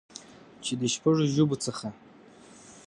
چې د شپږ ژبو څخه